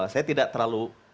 saya tidak terlalu